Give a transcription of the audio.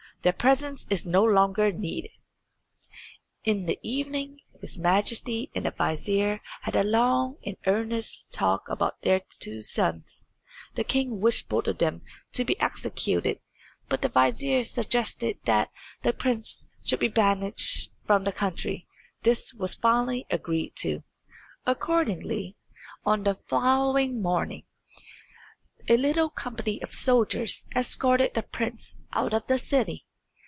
Their presence is no longer needed." In the evening his Majesty and the vizier had a long and earnest talk about their two sons. The king wished both of them to be executed; but the vizier suggested that the prince should be banished from the country. This was finally agreed to. Accordingly, on the following morning, a little company of soldiers escorted the prince out of the city.